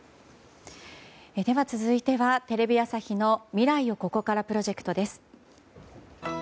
続いては、テレビ朝日の未来をここからプロジェクト。